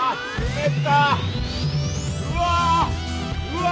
うわ！